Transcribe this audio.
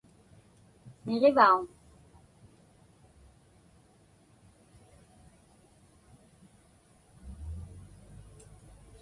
Niġivauŋ?